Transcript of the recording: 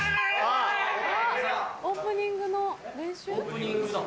オープニングの練習？